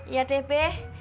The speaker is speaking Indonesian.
iya deh be